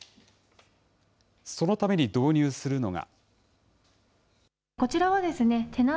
そのために導入するのが。